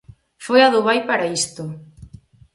Foi a Dubai para isto.